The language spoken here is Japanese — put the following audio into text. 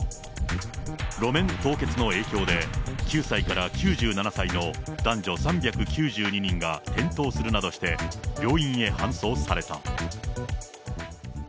路面凍結の影響で、９歳から９７歳の男女３９２人が、転倒するなどとして病院へ搬送された。